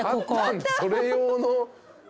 それ用の。